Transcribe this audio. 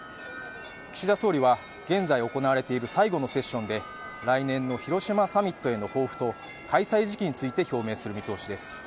岸田総理は現在行われている最後のセッションで来年の広島サミットへの抱負と開催時期について表明する見通しです。